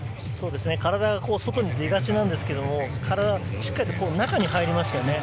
体が外に出がちなんですけど、しっかり中に入りますよね。